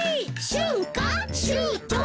「しゅんかしゅうとう」